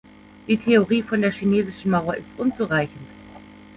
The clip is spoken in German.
Die Theorie von der Chinesischen Mauer ist unzureichend.